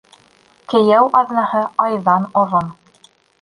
Кейәү аҙнаһы айҙан оҙон.